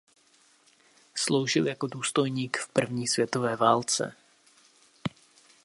Sloužil jako důstojník v první světové válce.